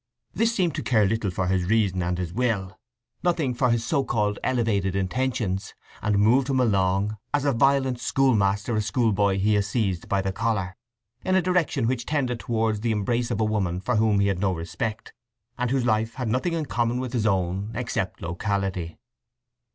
This seemed to care little for his reason and his will, nothing for his so called elevated intentions, and moved him along, as a violent schoolmaster a schoolboy he has seized by the collar, in a direction which tended towards the embrace of a woman for whom he had no respect, and whose life had nothing in common with his own except locality.